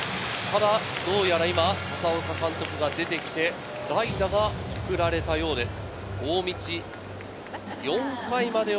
どうやら今、佐々岡監督が出てきて代打が送られたようです。